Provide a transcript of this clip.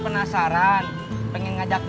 awal ya sudah seperti itu